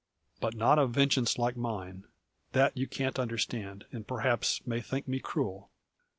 But not a vengeance like mine. That you can't understand, and perhaps may think me cruel."